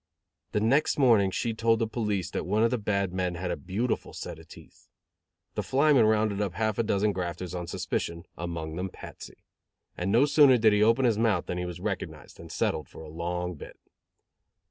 The next morning she told the police that one of the bad men had a beautiful set of teeth. The flymen rounded up half a dozen grafters on suspicion, among them Patsy; and no sooner did he open his mouth, than he was recognized, and settled for a long bit.